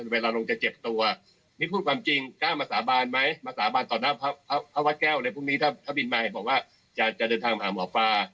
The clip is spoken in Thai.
พรุ่งนี้ถ้าถ้าบินมาให้บอกว่าจะจะเดินทางมาหาหมอฟ้า